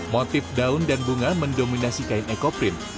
motif daun dan bunga mendominasi kain ekoprint